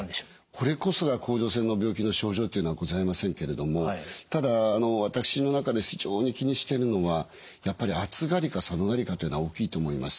これこそが甲状腺の病気の症状というのはございませんけれどもただ私の中で非常に気にしてるのはやっぱり暑がりか寒がりかというのは大きいと思います。